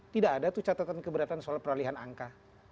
tidak ada tuh catatan keberatan soal peralihan angka